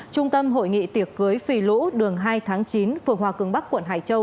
trung tâm hội nghị tiệc cưới phì lũ đường hai tháng chín phường hòa cường bắc quận hải châu